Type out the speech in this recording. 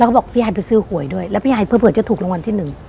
แล้วก็บอกพี่ไอ้ไปซื้อหวยด้วยแล้วพี่ไอ้เผื่อเผื่อจะถูกรางวัลที่หนึ่ง